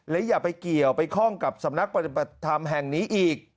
และอย่าไปเกี่ยวไปข้องกับสำนักปฏิบัติธรรมแห่งนี้อีก